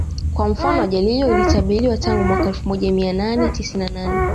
Kwa mfano ajali hiyo ilitabiriwa tangu mwaka elfu moja mia nane tisini na nane